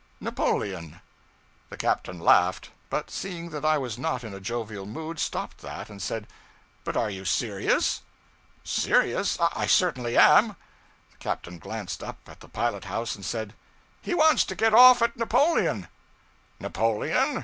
'Napoleon.' The captain laughed; but seeing that I was not in a jovial mood, stopped that and said 'But are you serious?' 'Serious? I certainly am.' The captain glanced up at the pilot house and said 'He wants to get off at Napoleon!' 'Napoleon?'